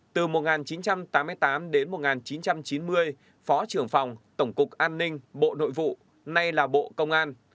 từ một nghìn chín trăm tám mươi tám đến một nghìn chín trăm chín mươi phó trưởng phòng tổng cục an ninh bộ nội vụ nay là bộ công an